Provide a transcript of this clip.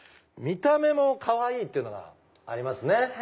見た目もかわいいっていうのがありますね。